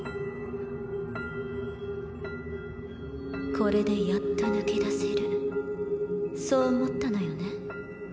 これでやっと抜け出せるそう思ったのよね。